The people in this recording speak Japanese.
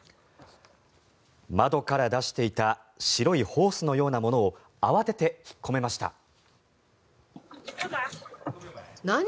窓から出していた白いホースのようなものを慌てて引っ込めました。